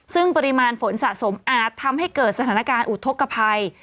ซึ่งปริมาณฝนสะสมอาจทำให้เกิดสถานการณ์อุทธกภัย